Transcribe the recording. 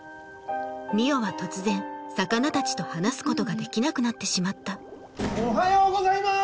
海音は突然魚たちと話すことができなくなってしまったおはようございます！